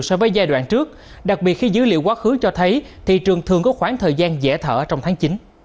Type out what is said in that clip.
so với giai đoạn trước đặc biệt khi dữ liệu quá khứ cho thấy thị trường thường có khoảng thời gian dễ thở trong tháng chín